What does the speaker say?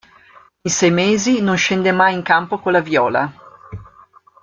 In sei mesi non scende mai in campo con la viola.